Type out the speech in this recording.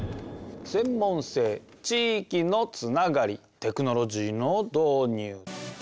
「専門性」「地域のつながり」「テクノロジーの導入！」。